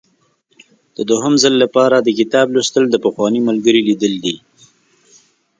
د دوهم ځل لپاره د کتاب لوستل د پخواني ملګري لیدل دي.